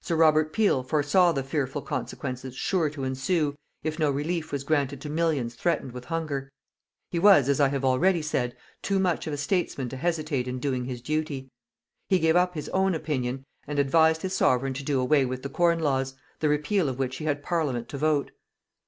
Sir Robert Peel foresaw the fearful consequences sure to ensue, if no relief was granted to millions threatened with hunger. He was, as I have already said, too much of a statesman to hesitate in doing his duty. He gave up his own opinion and advised his Sovereign to do away with the Corn Laws, the repeal of which he had Parliament to vote.